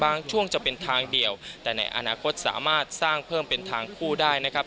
ช่วงจะเป็นทางเดียวแต่ในอนาคตสามารถสร้างเพิ่มเป็นทางคู่ได้นะครับ